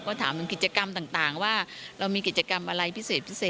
ก็ถามถึงกิจกรรมต่างว่าเรามีกิจกรรมอะไรพิเศษพิเศษ